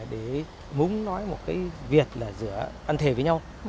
để muốn nói một cái việc là giữa ăn thề với nhau